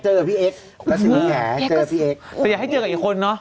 เจอกับพี่เอ็กซ์รัชมีแขกเจอพี่เอ็กซ์แต่อยากให้เจอกับอีกคนเนอะ